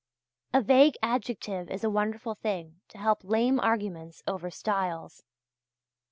A vague adjective is a wonderful thing to help lame arguments over stiles.